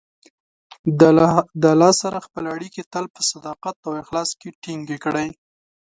د الله سره خپلې اړیکې تل په صداقت او اخلاص کې ټینګې کړئ.